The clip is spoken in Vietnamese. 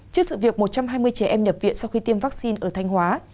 trước sự việc một trăm hai mươi trẻ em nhập viện sau khi tiêm vaccine ở thanh hóa